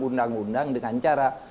undang undang dengan cara